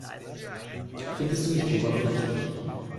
Findest du mich oberflächlich?